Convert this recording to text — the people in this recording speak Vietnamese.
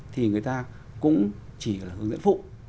thì người ta cũng chỉ là hướng dẫn phụ